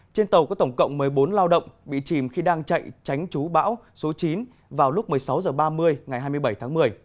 trên tàu có tổng cộng một mươi bốn lao động bị chìm khi đang chạy tránh chú bão số chín vào lúc một mươi sáu h ba mươi ngày hai mươi bảy tháng một mươi